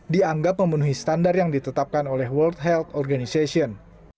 dianggap memenuhi standar yang ditetapkan oleh world health organization